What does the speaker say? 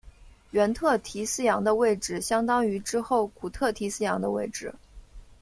原特提斯洋的位置相当于之后古特提斯洋的位置。